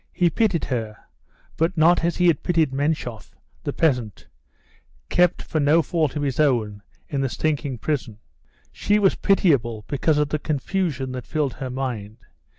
He pitied her, but not as he had pitied Menshoff, the peasant, kept for no fault of his own in the stinking prison. She was pitiable because of the confusion that filled her mind.